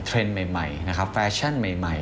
เทรนด์ใหม่นะครับแฟชั่นใหม่